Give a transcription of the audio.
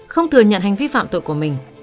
không thừa nhận hành vi phạm tội của mình